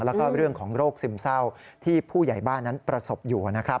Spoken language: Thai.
แล้วก็เรื่องของโรคซึมเศร้าที่ผู้ใหญ่บ้านนั้นประสบอยู่นะครับ